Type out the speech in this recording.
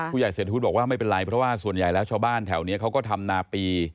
เศรษฐวุฒิบอกว่าไม่เป็นไรเพราะว่าส่วนใหญ่แล้วชาวบ้านแถวนี้เขาก็ทำนาปี